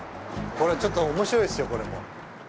これ、ちょっとおもしろいですよ、これも。